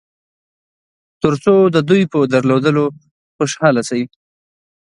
تر څو د دوی په درلودلو خوشاله شئ.